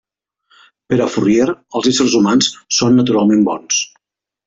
Per a Fourier, els éssers humans són naturalment bons.